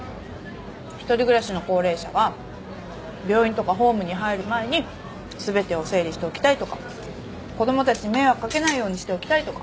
一人暮らしの高齢者は病院とかホームに入る前に全てを整理しておきたいとか子供たちに迷惑かけないようにしておきたいとか。